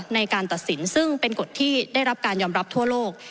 ในการตัดสินซึ่งเป็นกฎที่ได้รับการยอมรับทั่วโลก